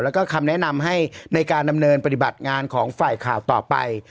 แล้วก็คำแนะนำให้ในการดำเนินปฏิบัติงานของฝ่ายข่าวต่อไป